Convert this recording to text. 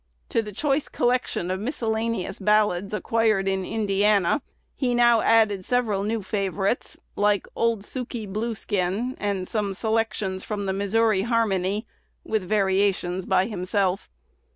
To the choice collection of miscellaneous ballads acquired in Indiana, he now added several new favorites, like "Old Sukey Blue Skin," and some selections from the "Missouri Harmony," with variations by himself.